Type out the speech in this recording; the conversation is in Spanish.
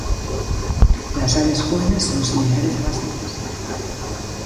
Las aves jóvenes son similares a las hembras.